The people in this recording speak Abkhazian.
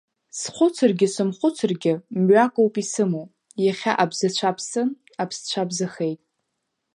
Схәыцыргьы сымхәыцыргьы мҩакоуп исымоу, иахьа абзацәа ԥсын, аԥсцәа бзахеит.